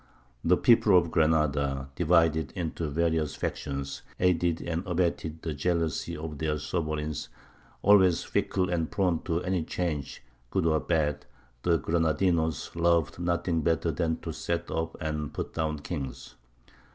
The people of Granada, divided into various factions, aided and abetted the jealousy of their sovereigns: always fickle and prone to any change, good or bad, the Granadinos loved nothing better than to set up and put down kings.